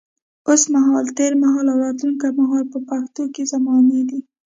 اوس مهال، تېر مهال او راتلونکي مهال په پښتو کې زمانې دي.